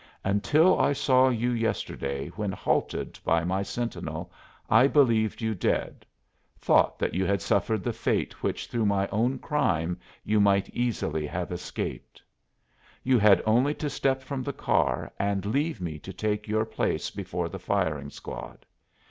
Until I saw you yesterday when halted by my sentinel I believed you dead thought that you had suffered the fate which through my own crime you might easily have escaped. You had only to step from the car and leave me to take your place before the firing squad.